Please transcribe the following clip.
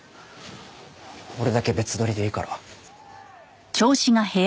俺だけ別撮りでいいから。